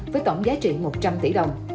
với tổng giá trị một trăm linh tỷ đồng